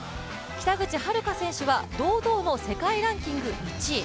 北口榛花選手は堂々の世界ランキング１位。